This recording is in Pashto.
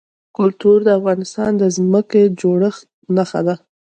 کلتور د افغانستان د ځمکې د جوړښت نښه ده.